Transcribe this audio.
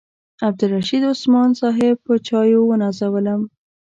عبدالرشید عثمان صاحب په چایو ونازولم.